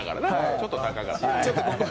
ちょっと高かった。